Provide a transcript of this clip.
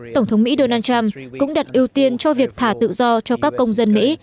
tổng thống mỹ donald trump cũng đặt ưu tiên cho việc thả tự do cho các công dân mỹ